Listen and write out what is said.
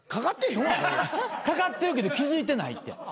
かかってるけど気付いてないって。